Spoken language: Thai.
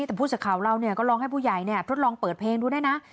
แต่พูดสักคราวเราเนี่ยก็ลองให้ผู้ใหญ่เนี่ยทดลองเปิดเพลงดูได้นะ